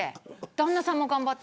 旦那さんも頑張って。